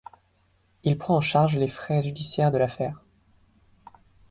Il prend en charge les frais judiciaires de l'affaire.